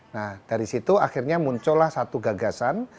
nah dari situ akhirnya muncullah satu gagasan